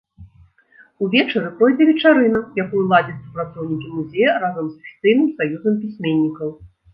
Увечары пройдзе вечарына, якую ладзяць супрацоўнікі музея разам з афіцыйным саюзам пісьменнікаў.